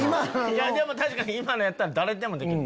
でも確かに今のやったら誰でもできる。